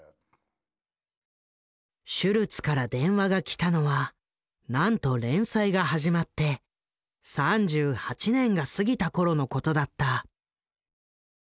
シュルツから電話が来たのはなんと連載が始まって３８年が過ぎた頃のことだった。